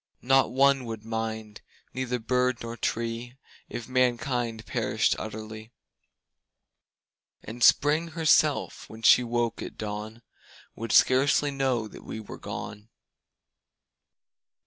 Not one would mind, neither bird nor tree If mankind perished utterly; And Spring herself, when she woke at dawn, Would scarcely know that we were gone.